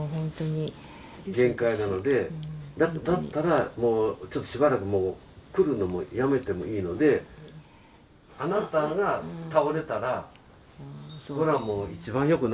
限界なのでだったらもうちょっとしばらくもう来るのもやめてもいいのであなたが倒れたらそりゃもう一番よくないのでね。